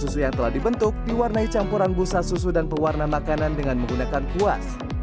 susu yang telah dibentuk diwarnai campuran busa susu dan pewarna makanan dengan menggunakan kuas